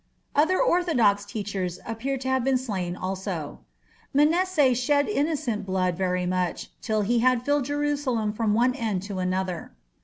Other orthodox teachers appear to have been slain also. "Manasseh shed innocent blood very much, till he had filled Jerusalem from one end to another."